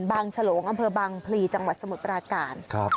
บางชะโหลอำเภอบางพลีจังหวัดสมุทรากาศ